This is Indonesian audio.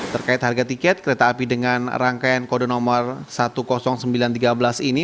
terkait harga tiket kereta api dengan rangkaian kode nomor seribu sembilan ratus tiga belas ini